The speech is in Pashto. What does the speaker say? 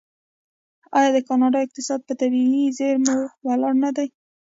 آیا د کاناډا اقتصاد په طبیعي زیرمو ولاړ نه دی؟